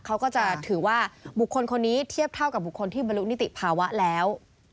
เขาก็จะถือว่าบุคคลคนนี้เทียบเท่ากับบุคคลที่บรรลุนิติภาวะแล้ว